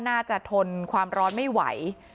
น่าจะทนความร้อนไม่ไหว